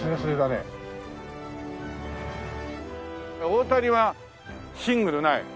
大谷はシングルない？